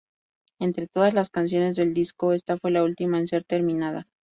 Entre todas las canciones del disco, esta fue la última en ser terminada.